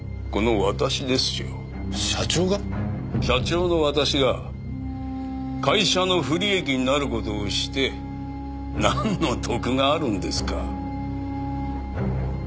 社長が？社長の私が会社の不利益になる事をしてなんの得があるんですか。